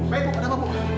baik bu ada apa bu